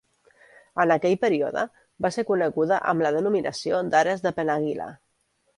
En aquell període, va ser coneguda amb la denominació d'Ares de Penàguila.